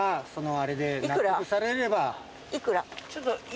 いくら？